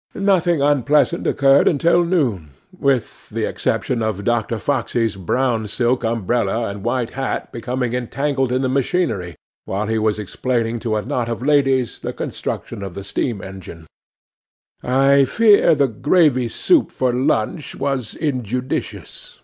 Nothing unpleasant occurred until noon, with the exception of Doctor Foxey's brown silk umbrella and white hat becoming entangled in the machinery while he was explaining to a knot of ladies the construction of the steam engine. I fear the gravy soup for lunch was injudicious.